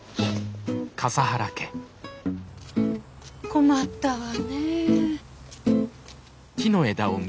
困ったわねえ。